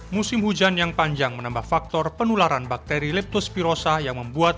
musim hujan yang panjang menambah faktor penularan bakteri leptospirosa yang membuat